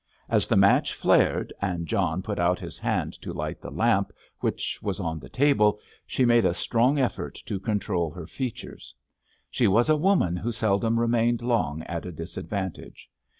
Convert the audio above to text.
As the match flared and John put out his hand to light the lamp which was on the table, she made a strong effort to control her features. She was a woman who seldom remained long at a disadvantage.